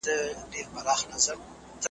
موږ له ذاته پیدا سوي جنتیان یو .